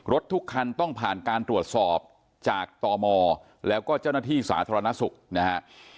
รถทุกคันต้องผ่านการตรวจสอบจากตมแล้วก็เจ้าหน้าที่สาธารณสุขนะฮะ